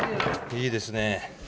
・いいですね。